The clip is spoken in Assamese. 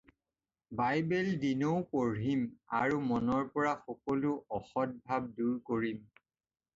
বাইবেল দিনৌ পঢ়িম আৰু মনৰ পৰা সকলো অসদ্ভাব দূৰ কৰিম।